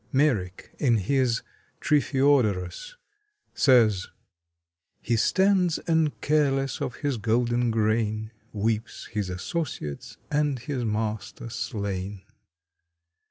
Merrick, in his "Tryphiodorus," says: He stands, and careless of his golden grain, Weeps his associates and his master slain.